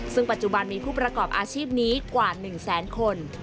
ซึ่งปัจจุบันมีผู้ประกอบอาชีพนี้กว่า๑แสนคน